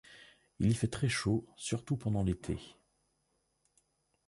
Il y fait très chaud surtout pendant l'été.